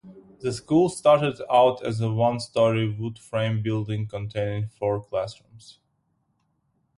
The school started out as a one-story wood frame building containing four classrooms.